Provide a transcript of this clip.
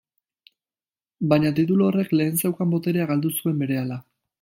Baina titulu horrek lehen zeukan boterea galdu zuen berehala.